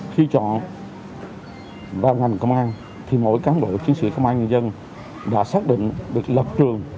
khi chọn vào ngành công an thì mỗi cán bộ chiến sĩ công an nhân dân đã xác định được lập trường